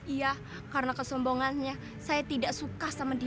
iya karena kesombongannya saya tidak suka sama dia